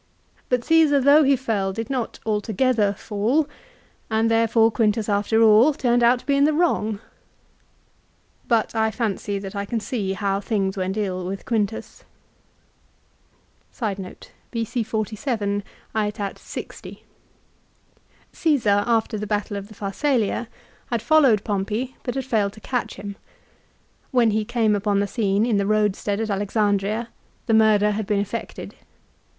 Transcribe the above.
But Caesar though he fell, did not altogether fall, and therefore Quintus after all turned out to be in the wrong. I fancy that I can see how things went ill with Quintus. Caesar, after the battle of the Pharsalia, had followed Bc 47 Pompey but had failed to catch him. "When he aetat. 60. came U p 0n the scene in the roadstead at Alexandria, the murder had been effected.